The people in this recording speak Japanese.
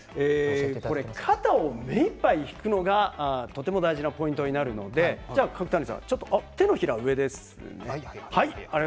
肩を目いっぱい引くのがとても大事なポイントになるので手のひらは上です。